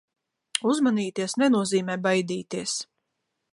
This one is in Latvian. Uzmanīties nenozīmē baidīties.